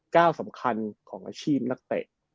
ก้าวสำคัญของอาชีพนักเตะ